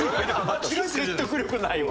説得力ないわ。